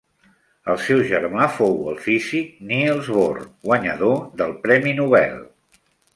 El seu germà fou el físic Niels Bohr, guanyador del premi Nobel.